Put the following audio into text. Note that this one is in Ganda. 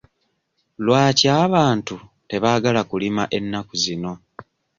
Lwaki abantu tebaagala kulima ennaku zino?